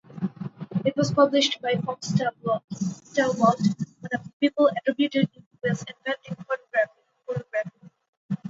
It was published by Fox Talbot, one of the people attributed with inventing photography.